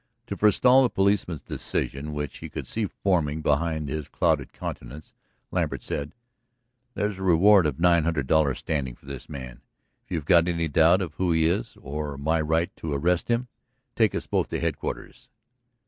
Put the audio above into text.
To forestall the policeman's decision, which he could see forming behind his clouded countenance, Lambert said: "There's a reward of nine hundred dollars standing for this man. If you've got any doubt of who he is, or my right to arrest him, take us both to headquarters."